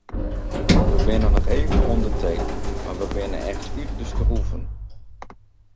We binne noch even oan de tee mar we binne echt út de skroeven.